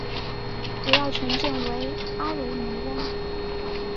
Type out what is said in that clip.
主要城镇为阿维尼翁。